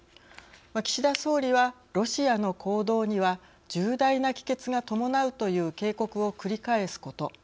岸田総理はロシアの行動には重大な帰結が伴うという警告を繰り返すこと。